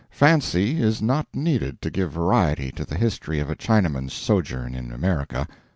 Fancy is not needed to give variety to the history of a Chinaman's sojourn in America.